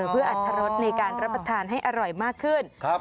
เพื่ออัตรรสในการรับประทานให้อร่อยมากขึ้น